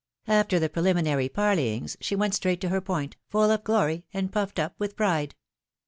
After the preliminary parley ings, she went straight to her point, full of glory, and puffed up with pride.